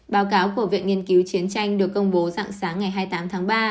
báo cáo của viện nghiên cứu chiến tranh được công bố dạng sáng ngày hai mươi tám tháng ba